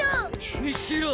むしろ。